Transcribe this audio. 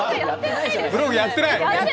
ブログやってない。